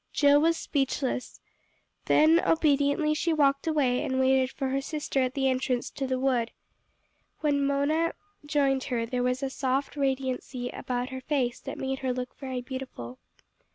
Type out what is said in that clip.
Jill was speechless. Then obediently she walked away, and waited for her sister at the entrance to the wood. When Mona joined her there was a soft radiancy about her face that made her look very beautiful.